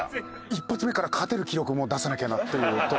一発目から勝てる記録を出さなきゃなというところに。